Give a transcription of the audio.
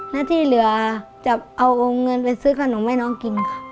และที่เหลือจะเอาเงินไปซื้อขนมให้น้องกินค่ะ